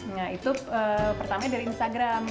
nah itu pertamanya dari instagram